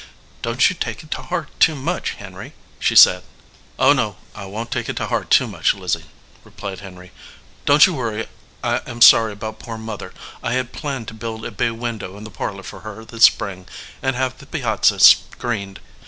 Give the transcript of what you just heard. "Don t you take it to heart too much, Henry," she said. "Oh no, I won t take it to heart too much, Lizzie," replied Henry. "Don t you worry. I am 247 EDGEWATER PEOPLE sorry about poor Mother. I had planned to build a bay window in the parlor for her this spring and have the piazza screened.